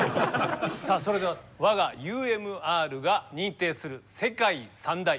さあそれでは我がＵＭＲが認定する世界三大。